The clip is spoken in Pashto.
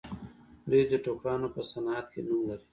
دوی د ټوکرانو په صنعت کې نوم لري.